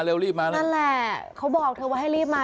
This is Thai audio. นั่นแหละเขาบอกเธอว่าให้รีบมา